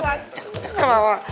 ganteng kan mama